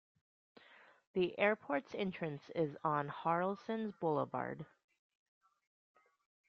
The airport's entrance is on Harrelson Boulevard.